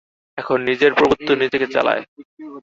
এখন নিজেরই প্রভুত্ব নিজেকে চালায়।